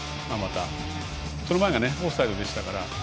その前がオフサイドでしたから。